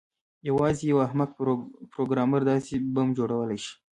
یوازې یو احمق پروګرامر داسې بم جوړولی شي